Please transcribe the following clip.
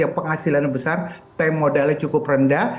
yang penghasilan besar time modalnya cukup rendah